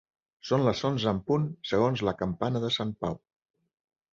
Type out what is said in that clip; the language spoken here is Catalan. Són les onze en punt segons la campana de Sant Pau.